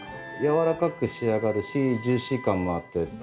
柔らかく仕上がるしジューシー感もあってっていう。